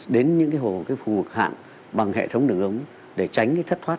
đến những hồ phù hợp hạn bằng hệ thống đường ống để tránh thất thoát